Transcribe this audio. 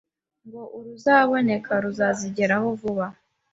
ngo uruzaboneka ruzazigereho vuba,